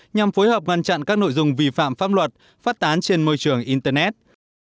nhằm phối hợp ngăn chặn các nội dung vi phạm pháp luật phát tán trên môi trường internet